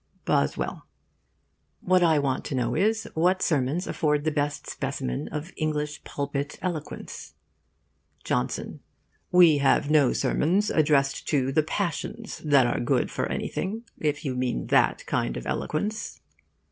BOSWELL: What I want to know is, what sermons afford the best specimen of English pulpit eloquence. JOHNSON: We have no sermons addressed to the passions, that are good for anything; if you mean that kind of eloquence.